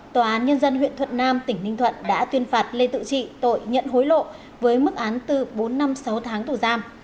tòa án nhân dân huyện thuận nam tỉnh ninh thuận đã tuyên phạt lê tự trị tội nhận hối lộ với mức án từ bốn năm sáu tháng tù giam